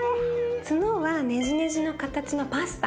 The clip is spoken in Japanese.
角はねじねじの形のパスタ